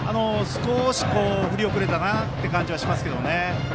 少し振り遅れたなという感じがしますけどね。